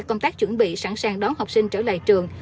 công tác chuẩn bị sẵn sàng đón học sinh trở lại trường